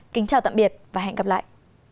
kính chào tạm biệt và hẹn gặp lại